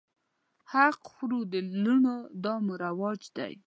حق خورو د لوڼو دا مو رواج دی